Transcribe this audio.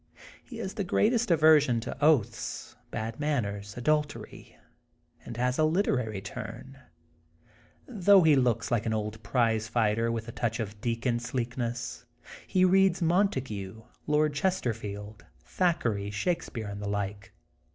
He has the greatest aversion to oaths, bad manners, adultery, and has a literary turn. Though he looks like an old prize fighter with a touch of deacon sleekness, he reads Mon THE GOLDEN BOOK OF SPRINGFIELD 18 taigne. Lord Chesterfield, Thackeray, Shake speare, and the like.